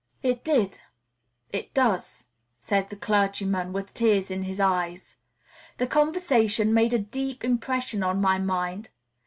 "It did, it does," said the clergyman, with tears in his eyes. The conversation made a deep impression on my mind.